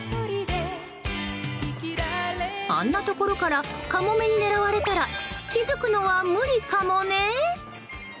あんなところからカモメに狙われたら気づくのは無理カモネ！